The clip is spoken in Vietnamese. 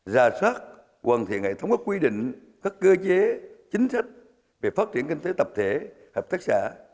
ra soát hoàn thiện hệ thống các quy định các cơ chế chính sách về phát triển kinh tế tập thể hợp tác xã